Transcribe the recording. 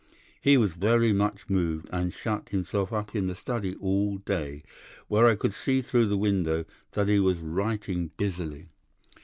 He was very much moved, and shut himself up in the study all day, where I could see through the window that he was writing busily.